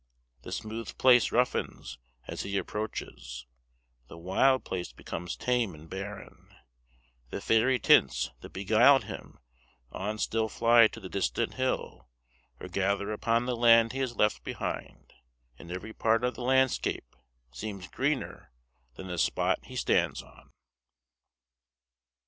The smooth place roughens as he approaches; the wild place becomes tame and barren; the fairy tints that beguiled him on still fly to the distant hill, or gather upon the land he has left behind, and every part of the landscape seems greener than the spot he stands on.